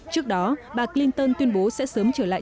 trước đó bà clinton tuyên bố sẽ sớm trở lại